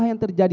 dan yang terjadi